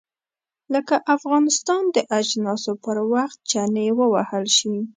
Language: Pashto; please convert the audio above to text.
لکه افغانستان د اجناسو پر وخت چنې ووهل شي.